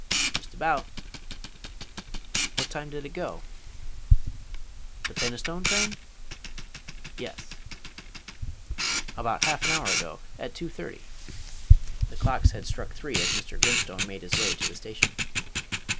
"Just about." "What time did it go?" "The Penistone train?" "Yes." "About half an hour ago at 2.30." The clocks had struck three as Mr. Grimstone made his way to the station.